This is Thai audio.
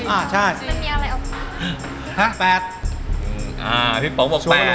อ่าพี่ป๋องบอก๘